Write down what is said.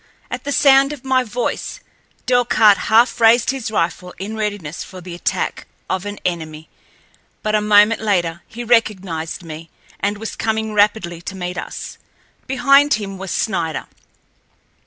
At the sound of my voice, Delcarte half raised his rifle in readiness for the attack of an enemy, but a moment later he recognized me, and was coming rapidly to meet us. Behind him was Snider.